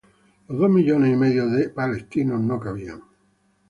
Los dos millones y medio de hombres israelíes no cabían.